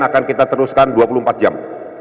akan kita teruskan dua puluh empat jam